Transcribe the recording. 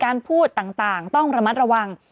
พูดต่างต้องระมัดระวัง